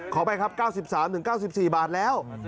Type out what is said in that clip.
ไปครับ๙๓๙๔บาทแล้ว